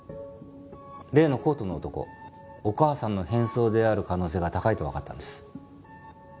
例のコートの男お母さんの変装である可能性が高いとわかったんです。